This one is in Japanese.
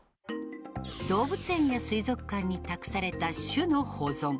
動物園や水族館に託された種の保存。